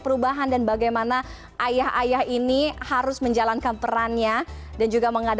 perubahan dan bagaimana ayah ayah ini harus menjalankan perannya dan juga